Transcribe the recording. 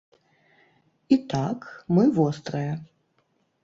І так, мы вострыя.